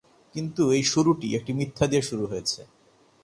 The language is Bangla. কিন্তু এই শুরুটি, একটি মিথ্যা দিয়ে শুরু হচ্ছে।